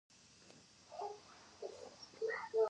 ایا مصنوعي ځیرکتیا د انسان او وسیلې کرښه نه نری کوي؟